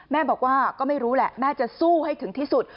แม่บอกว่าก็ไม่รู้แหละแม่จะสู้ให้ถึงที่สุด